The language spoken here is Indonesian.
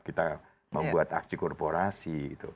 kita membuat aksi korporasi